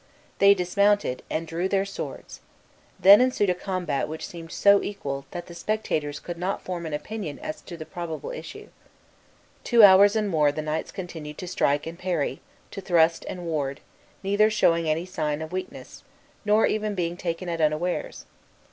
They dismounted, and drew their swords. Then ensued a combat which seemed so equal, that the spectators could not form an opinion as to the probable issue. Two hours and more the knights continued to strike and parry, to thrust and ward, neither showing any sign of weariness, nor ever being taken at unawares.